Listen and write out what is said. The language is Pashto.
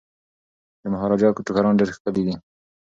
د مهاراجا ټوکران ډیر ښکلي دي.